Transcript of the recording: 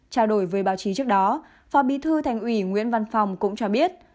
trao đổi với báo chí trước đó phó bí thư thành ủy nguyễn văn phòng cũng cho biết